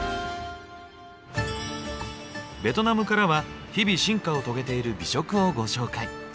ベトナムからは日々進化を遂げている美食をご紹介。